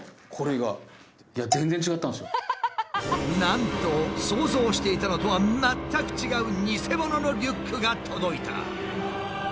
なんと想像していたのとは全く違う偽物のリュックが届いた。